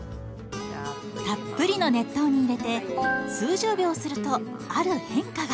たっぷりの熱湯に入れて数十秒するとある変化が。